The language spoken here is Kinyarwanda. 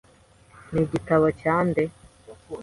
Ni igitabo cya nde?